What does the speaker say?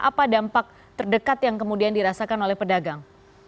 apa dampak terdekat yang kemudian dirasakan oleh pedagang